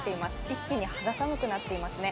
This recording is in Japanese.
一気に肌寒くなっていますね。